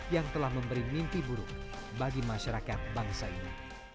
yang telah memberi mimpi buruk bagi masyarakat bangsa ini